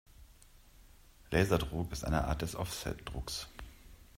Laserdruck ist eine Art des Offsetdrucks.